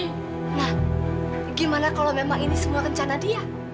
nah gimana kalau memang ini semua rencana dia